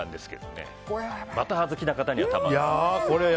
バター好きな方にはたまらない。